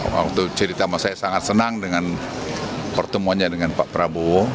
waktu cerita sama saya sangat senang dengan pertemuannya dengan pak prabowo